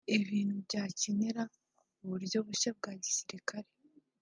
ibintu byakenera uburyo bushya bwa gisirikare